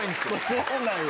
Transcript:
そうなんや。